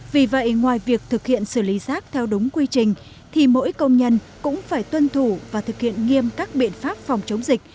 vì vậy ngoài việc thực hiện xử lý rác theo đúng quy trình thì mỗi công nhân cũng phải tuân thủ và thực hiện nghiêm các biện pháp phòng chống dịch